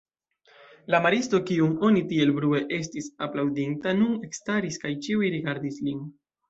La maristo, kiun oni tiel brue estis aplaŭdinta, nun ekstaris kaj ĉiuj rigardis lin.